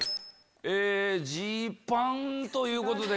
ジーパンということで。